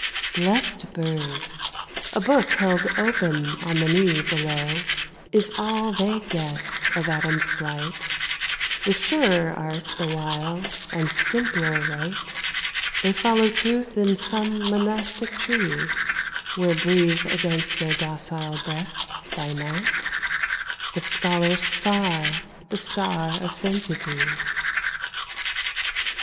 Blest birds! A book held open on the knee Below, is all they guess of Adam's blight: With surer art the while, and simpler rite, They follow Truth in some monastic tree, Where breathe against their docile breasts, by night, The scholar's star, the star of sanctity.